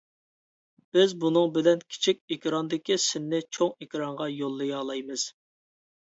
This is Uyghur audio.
بىز بۇنىڭ بىلەن كىچىك ئېكراندىكى سىننى چوڭ ئېكرانغا يوللىيالايمىز.